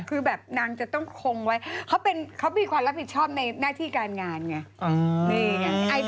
คือแบบนางจะต้องคงไว้เขามีความรับผิดชอบในหน้าที่การงานไง